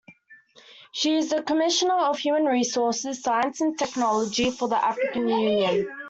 She is Commissioner of Human Resources, Science and Technology for the African Union.